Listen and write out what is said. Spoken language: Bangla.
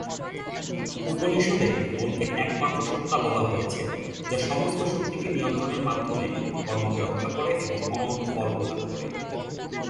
উপনিষদে মনকে একমাত্র সত্ত্বা বলা হয়েছে যা সমস্ত শক্তিকে নিয়ন্ত্রণের মাধ্যমে কর্মকে রক্ষা করে এবং অনন্ত ফল প্রদান করে।